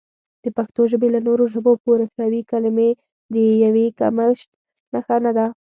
د پښتو ژبې له نورو ژبو پورشوي کلمې د یو کمښت نښه نه ده